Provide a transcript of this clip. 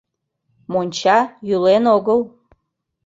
МОНЧА ЙӰЛЕН ОГЫЛ